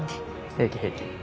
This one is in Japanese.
平気平気。